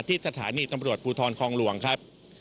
ที่สถานีตำรวจภูทรคองหลวงครับ